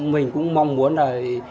mình cũng mong muốn là